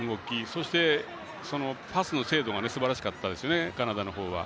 そして、パスの精度がカナダすばらしかったですね。